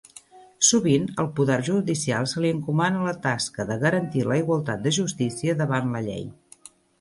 Sovint, al poder judicial se li encomana la tasca de garantir la igualtat de justícia davant la llei.